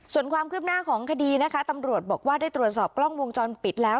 ส่วนความคืบหน้าของคดีนะคะตำรวจบอกว่าได้ตรวจสอบกล้องวงจรปิดแล้ว